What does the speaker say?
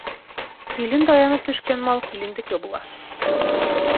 Килен таянып төшкән мал килендеке була.